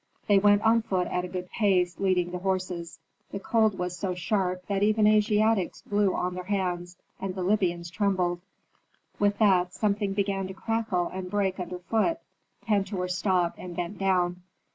They went on foot at a good pace, leading the horses. The cold was so sharp, that even Asiatics blew on their hands, and the Libyans trembled. With that, something began to crackle and break underfoot. Pentuer stopped, and bent down.